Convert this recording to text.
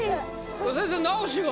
先生直しは？